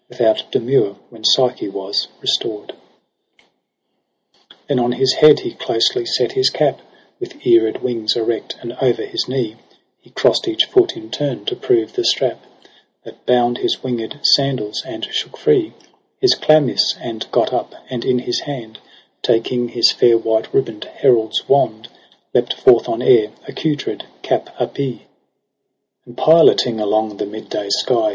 Without demur, when Psyche was restored. II Then on his head he closely set his cap With eared wings erect, and o'er his knee He cross'd each foot in turn to prove the strap That bound his winged sandals, and shook free His chlamys, and gat up, and in his hand Taking his fair white ribbon'd herald's wand, Lept forth on air, accoutred cap a pe. NOVEMBER 173 And piloting along the mid day sky.